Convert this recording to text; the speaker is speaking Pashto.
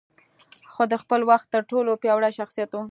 خو د خپل وخت تر ټولو پياوړی شخصيت و.